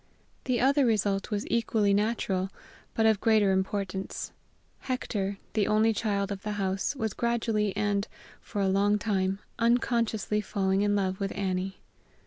The other result was equally natural, but of greater importance; Hector, the only child of the house, was gradually and, for a long time, unconsciously falling in love with Annie.